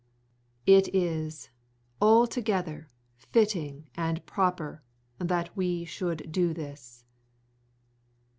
It is altogether fitting and proper that we should do this.